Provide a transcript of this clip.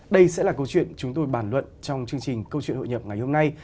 đây sẽ là câu chuyện chúng tôi bàn luận trong chương trình câu chuyện hội nhập ngày hôm nay